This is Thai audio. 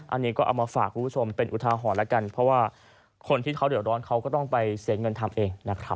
อันนี้ก็เอามาฝากคุณผู้ชมเป็นอุทาหรณ์แล้วกันเพราะว่าคนที่เขาเดือดร้อนเขาก็ต้องไปเสียเงินทำเองนะครับ